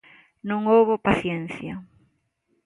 Non houbo paciencia.